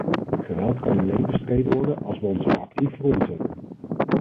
Geweld kan alleen bestreden worden als we ons er actief voor inzetten.